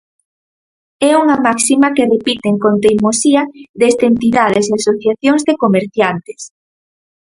É unha máxima que repiten con teimosía desde entidades e asociacións de comerciantes.